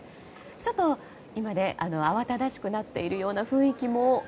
ちょっと今、慌ただしくなっているような雰囲気も。